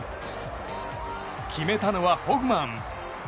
決めたのは、ホフマン。